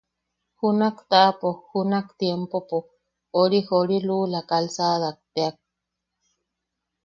Junak taʼapo junak tiempopo ori Jori lula calsadat teak.